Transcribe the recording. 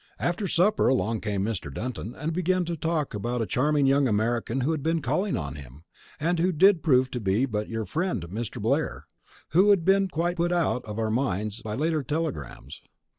After supper along came Mr. Dunton, and began to talk about a charming young American who had been calling on him, and who did it prove to be but your friend Mr. Blair, who had been quite put out of our minds by the later telegrams.